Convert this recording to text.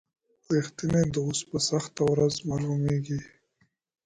رښتینی دوست په سخته ورځ معلومیږي.